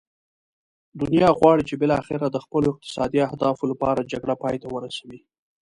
دنیا غواړي چې بالاخره د خپلو اقتصادي اهدافو لپاره جګړه پای ته ورسوي.